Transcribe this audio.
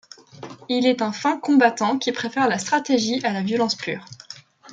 Il est un fin combattant qui préfère la stratégie à la violence pure.